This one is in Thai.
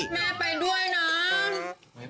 แม่ไปด้วยน้อง